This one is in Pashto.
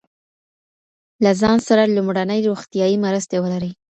له ځان سره لومړنۍ روغتیایی مرستې ولرئ.